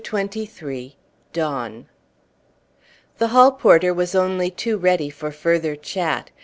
CHAPTER XXIII DAWN The hall porter was only too ready for further chat.